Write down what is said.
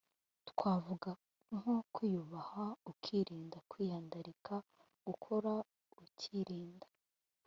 twavuga nko kwiyubaha ukirinda kwiyandarika, gukora ukirinda